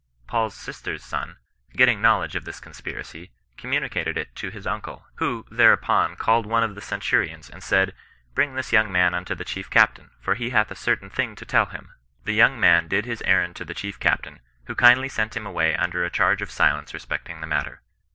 Paul's sister's son, getting knowledge of this conspiracy, communicated it to his uncle, who, thereupon called one of the centurions, and said, " Bring this young man unto the chief captain, for he hath a certain thing to tell him." The young man did his errand to the chief cap tain, who kindly sent him away under a charge of silence respecting the matter.